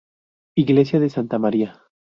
Iglesia de Santa María.